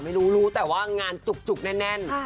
ไม่รู้รู้แต่ว่างานจุกแน่น